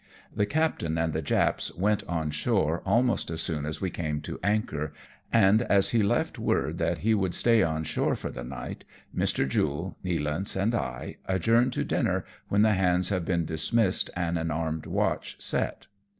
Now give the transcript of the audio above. The captain and the Japs went on shore almost as soon as we came to anchor, and as he left word that he would stay on shore for the night, Mr. Jule, Nealance, and I adjourn to dinner when the hands have been dismissed and an armed watch set.